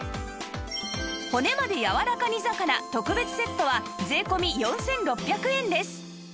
骨までやわらか煮魚特別セットは税込４６００円です